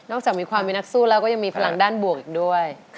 จากมีความมีนักสู้แล้วก็ยังมีพลังด้านบวกอีกด้วย